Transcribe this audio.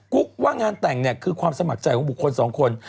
ุ๊กว่างานแต่งเนี่ยคือความสมัครใจของบุคคลสองคน